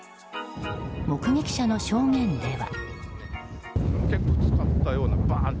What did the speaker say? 目撃者の証言では。